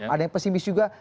ada yang pesimis juga